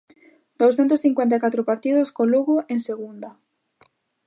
Douscentos cincuenta e catro partidos co Lugo en segunda.